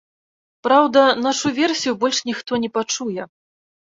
Праўда, нашу версію больш ніхто не пачуе.